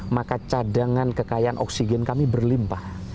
maka cadangan kekayaan oksigen kami berlimpah